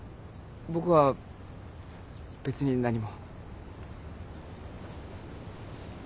僕は別に何も。